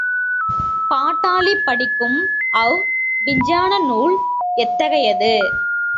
பாட்டாளி படிக்கும் அவ் விஞ்ஞான நூல் எத்தகையது?